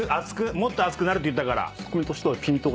「もっと暑くなる」って言ったから。